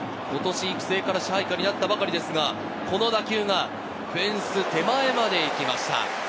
育成から支配下になったばかりですが、フェンス手前まで打球がいきました。